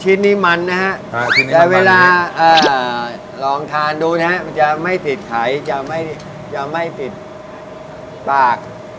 ชิ้นนี้มันนะฮะแต่เวลาลองทานดูนะฮะมันจะไม่ติดไขจะไม่ติดปาก